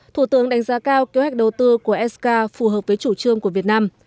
thủ tướng đánh giá cao kế hoạch đầu tư của sk phù hợp với chủ trương của việt nam